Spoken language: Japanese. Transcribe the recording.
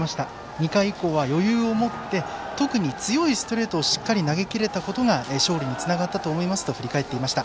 ２回以降は余裕を持って特に強いストレートをしっかり投げきれたことが勝利につながったと思いますと振り返っていました。